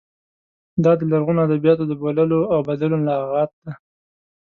دا د لرغونو ادبیاتو د بوللو او بدلو لغت دی.